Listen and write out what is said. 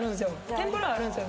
天ぷらはあるんですよ